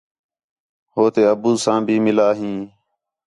ہو تے ابو ساں بھی مِلا ہیں